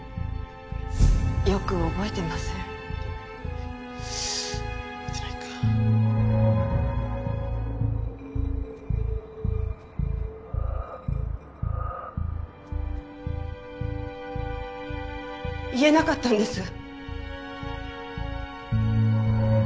よく覚えてません言えなかったんです。